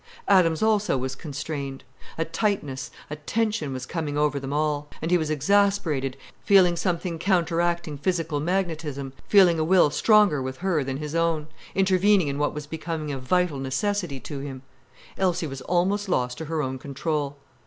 Adams also was constrained. A tightness, a tension was coming over them all. And he was exasperated, feeling something counteracting physical magnetism, feeling a will stronger with her than his own, intervening in what was becoming a vital necessity to him. Elsie was almost lost to her own control.